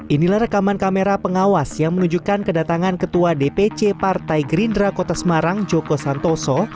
inilah rekaman kamera pengawas yang menunjukkan kedatangan ketua dpc partai gerindra kota semarang joko santoso